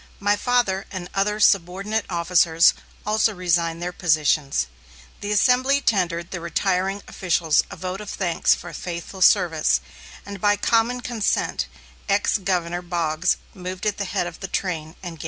My father and other subordinate officers also resigned their positions. The assembly tendered the retiring officials a vote of thanks for faithful service; and by common consent, ex Governor Boggs moved at the head of the train and gave it his name.